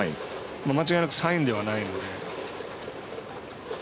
間違いなくサインではないので。